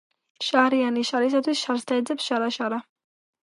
შარიანი შარისათვის შარს დაეძებს შარა შარა